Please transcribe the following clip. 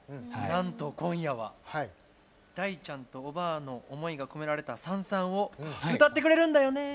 なんと今夜は大ちゃんとおばあの思いが込められた「燦燦」を歌ってくれるんだよね。